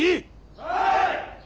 はい！